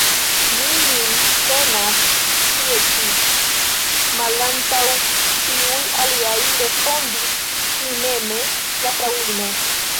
Mi min tenas tie ĉi, malantaŭ ĉiuj aliaj, respondis timeme la fraŭlino.